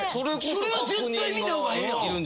それは絶対見た方がええやん。